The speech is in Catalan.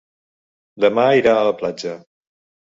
Demà irà a la platja.